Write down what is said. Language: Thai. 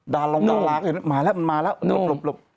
ดาร้องดารักมาแล้วมันมาแล้วหลบหลบหลบ